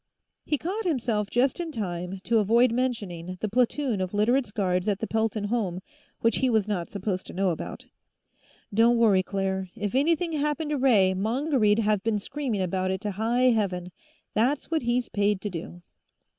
He caught himself just in time to avoid mentioning the platoon of Literates' guards at the Pelton home, which he was not supposed to know about. "Don't worry, Claire; if anything'd happened to Ray, Mongery'd have been screaming about it to high heaven. That's what he's paid to do."